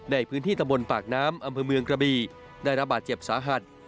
ในพื้นที่ตะบนปากน้ำอำเภอเมืองกระบีได้รับบาดเจ็บสาหัส